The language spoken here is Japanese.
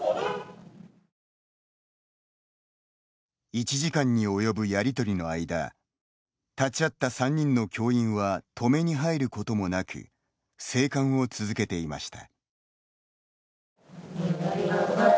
１時間に及ぶやりとりの間立ち会った３人の教員は止めに入ることもなく静観を続けていました。